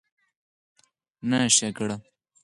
نه ښېګړه